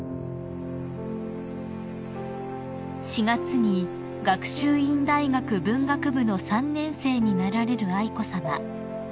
［４月に学習院大学文学部の３年生になられる愛子さま］